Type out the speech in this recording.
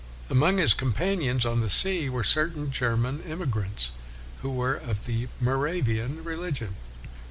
Among his companions on the sea were certain German emigrants who were of the Moravian religion.